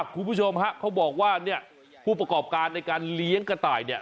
คุณผู้ชมฮะเขาบอกว่าเนี่ยผู้ประกอบการในการเลี้ยงกระต่ายเนี่ย